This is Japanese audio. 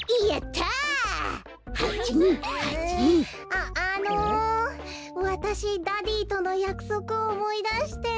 ああのわたしダディーとのやくそくをおもいだして。